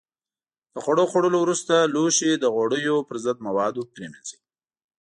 د خوړو خوړلو وروسته لوښي د غوړیو پر ضد موادو پرېمنځئ.